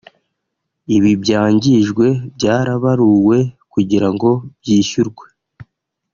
Ibi byangijwe byarabaruwe kugira ngo byishyurwe